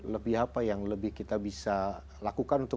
lebih apa yang lebih kita bisa lakukan untuk